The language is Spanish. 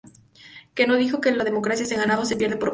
Que no dijo que la democracia se gana o se pierde por voto.